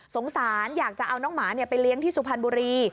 สงสารอยากจะเอาน้องหมาไปเลี้ยงที่สุพรรณบุรี